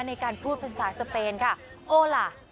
ในการพูดภาษาสเปนค่ะโอล่ะ